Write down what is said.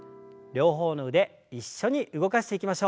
両方の腕一緒に動かしていきましょう。